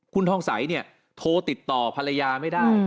คุณทองใสเนี่ยโทรติดต่อภรรยาไม่ได้